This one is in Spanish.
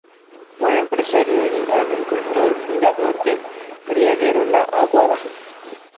Fue empresario y agricultor, fundador del Criadero La Aguada.